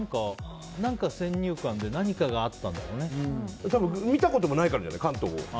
何か先入観で見たこともないからかな関東を。